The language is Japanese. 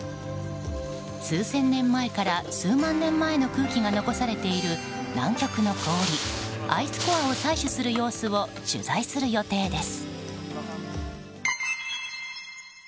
数千年前から数万年前の空気が残されている南極の氷、アイスコアを採取する様子を取材する予定です。